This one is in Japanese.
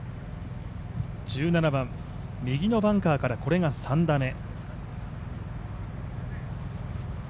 １７番、右のバンカーからこれが３打目。